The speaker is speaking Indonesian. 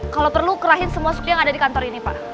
kalau perlu kerahin semua suku yang ada di kantor ini pak